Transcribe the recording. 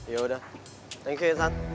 yaudah thank you stan